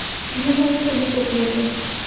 ঘুম ভাঙলে তিনি চোখ মেললেন।